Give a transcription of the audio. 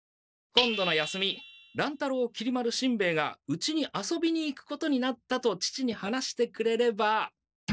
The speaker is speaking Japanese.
今度の休み乱太郎きり丸しんべヱがうちに遊びに行くことになったと父に話してくれれば。